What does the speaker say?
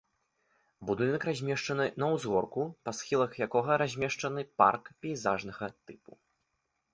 Будынак размешчаны на ўзгорку, па схілах якога размешчаны парк пейзажнага тыпу.